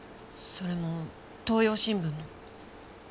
それも東陽新聞の。